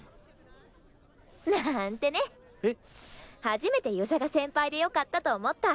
初めて遊佐が先輩でよかったと思った。